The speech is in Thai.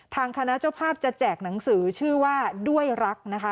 ทางคณะเจ้าภาพจะแจกหนังสือชื่อว่าด้วยรักนะคะ